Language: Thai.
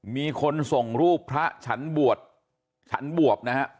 มีคนส่งรูปพระฉันบวชฉันบวบนะฮะ